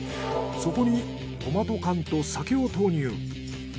そこにトマト缶と酒を投入。